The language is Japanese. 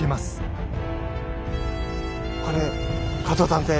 これ加藤探偵